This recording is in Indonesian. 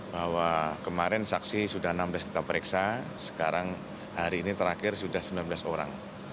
bahwa kemarin saksi sudah enam belas kita periksa sekarang hari ini terakhir sudah sembilan belas orang